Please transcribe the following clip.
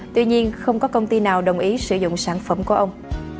tuy nhiên không có công ty nào đồng ý sử dụng sản phẩm của ông